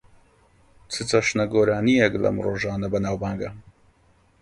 چ چەشنە گۆرانییەک لەم ڕۆژانە بەناوبانگە؟